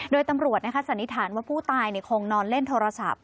โดยตำรวจสันนิษฐานว่าผู้ตายคงนอนเล่นโทรศัพท์